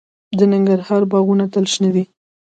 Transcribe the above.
د ننګرهار باغونه تل شنه دي.